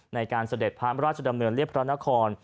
ในการเสด็จพระราชดำเนือนเรียบร้านนะคร